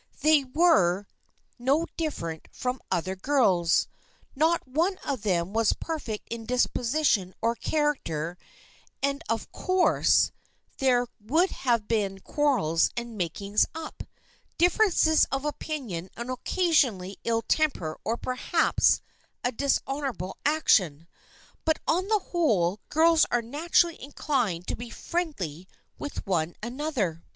They were no different from other girls. Not one of them was perfect in disposition or character and of course 236 THE FKIENDSHIP OF ANNE there would have been quarrels and " makings up," differences of opinion and occasionally ill temper or perhaps a dishonorable action, but on the whole girls are naturally inclined to be friendly with one another.